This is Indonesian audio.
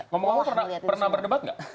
ngomong ngomong pernah berdebat nggak